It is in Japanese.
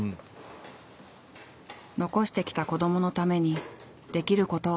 「残してきた子どものためにできることをしたい」